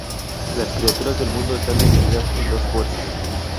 Las criaturas del mundo están divididas en dos fuerzas.